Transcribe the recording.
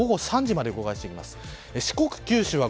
まず午後３時まで動かしていきます。